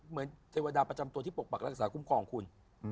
เหมือนเทวดาประจำตัวที่ปกปรักรักษาคุมของคุณ